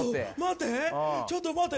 待ってちょっと待って。